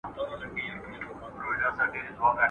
د اوبو نه کوچ اوباسي.